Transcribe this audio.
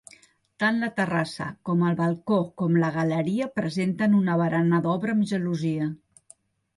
Tant la terrassa, com el balcó com la galeria presenten una barana d'obra amb gelosia.